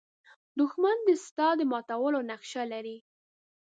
دښمن د ستا د ماتولو نقشه لري